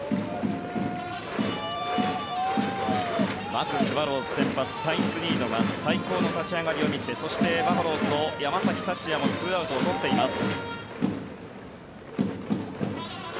まずスワローズ先発サイスニードが最高の立ち上がりを見せそしてバファローズの山崎福也も２アウトを取っています。